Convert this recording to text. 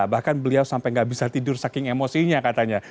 bahkan beliau sampai nggak bisa tidur saking emosinya katanya